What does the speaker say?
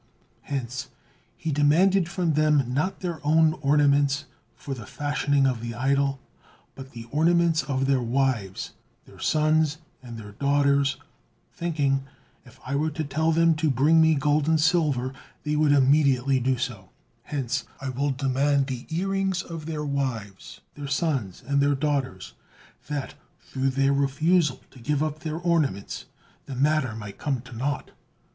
Hence he demanded from them not their own ornaments for the fashioning of the idol, but the ornaments of their wives, their sons, and their daughters, thinking: "If I were to tell them to bring me gold and silver, they would immediately do so, hence I will demand the earrings of their wives, their sons, and their daughters, that through their refusal to give up their ornaments, the matter might come to nought."